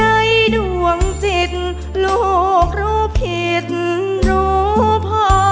ในดวงจิตลูกรู้ผิดรู้พอ